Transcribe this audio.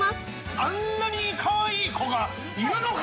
あんなにかわいい子がいるのか？